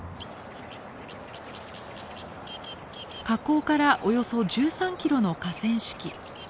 河口からおよそ１３キロの河川敷。